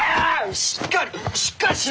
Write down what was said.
しっかりしっかりしろ！